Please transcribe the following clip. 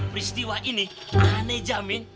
peristiwa ini aneh jamin